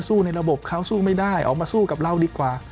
ในระบบเขาสู้ไม่ได้ออกมาสู้กับเราดีกว่า